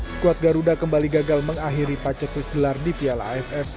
squad garuda kembali gagal mengakhiri pacot klip gelar di piala aff